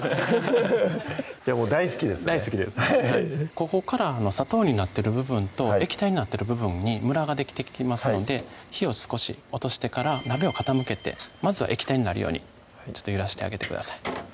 ここから砂糖になってる部分と液体になってる部分にムラができてきますので火を少し落としてから鍋を傾けてまずは液体になるようにちょっと揺らしてあげてください